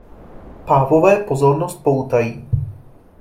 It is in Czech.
Pávové pozornost poutají.